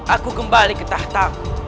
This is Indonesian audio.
aku kembali ke tahtaku